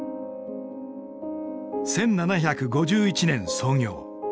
１７５１年創業。